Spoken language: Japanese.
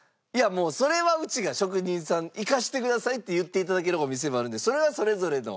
もうそれはうちが職人さん行かせてくださいって言って頂けるお店もあるんでそれはそれぞれの。